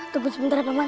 tunggu sebentar ya paman